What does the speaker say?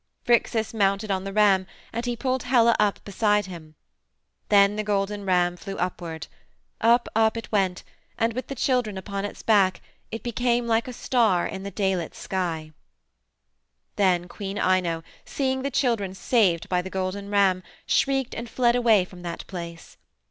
Phrixus mounted on the ram and he pulled Helle up beside him. Then the golden ram flew upward. Up, up, it went, and with the children upon its back it became like a star in the day lit sky. "Then Queen Ino, seeing the children saved by the golden ram, shrieked and fled away from that place.